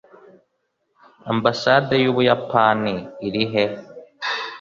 Ambasade y'Ubuyapani iri he?